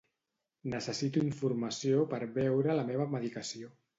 Necessito informació per veure la meva medicació.